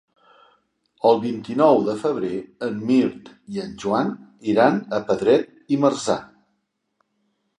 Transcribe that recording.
El vint-i-nou de febrer en Mirt i en Joan iran a Pedret i Marzà.